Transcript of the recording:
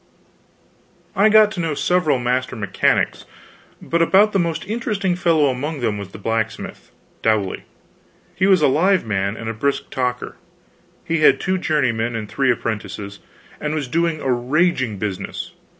I got to know several master mechanics, but about the most interesting fellow among them was the blacksmith, Dowley. He was a live man and a brisk talker, and had two journeymen and three apprentices, and was doing a raging business.